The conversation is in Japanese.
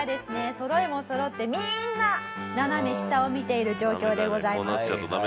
そろいもそろってみんな斜め下を見ている状況でございます。